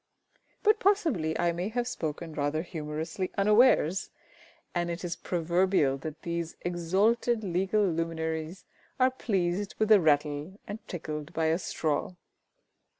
But possibly I may have spoken rather humorously unawares, and it is proverbial that these exalted legal luminaries are pleased with a rattle and tickled by a straw.